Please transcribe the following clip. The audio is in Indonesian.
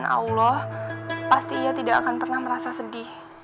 allah pasti ia tidak akan pernah merasa sedih